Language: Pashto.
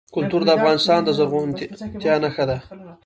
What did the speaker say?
کلتور د افغانستان د زرغونتیا نښه ده.